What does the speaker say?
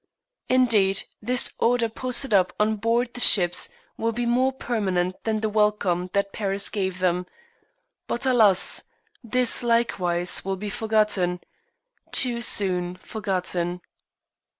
Indeed this Order posted up on board the ships will be more permanent than the welcome that Paris gave them; but alas! this likewise will be forgotten, too soon forgotten.